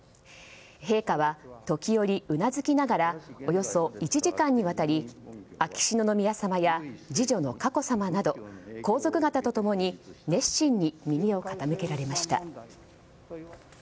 陛下は時折うなずきながらおよそ１時間にわたり秋篠宮さまや次女の佳子さまなど皇族方と共に熱心に耳を傾けられました。